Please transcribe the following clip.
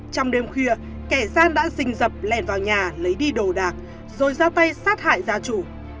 trong đêm khuya kẻ gian đã rình dập lèn vào nhà lấy đi đồ đạc rồi ra tay sát hại gia chủ